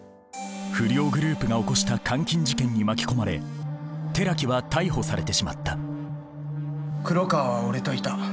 不良グループが起こした監禁事件に巻き込まれ寺木は逮捕されてしまった黒川は俺といた。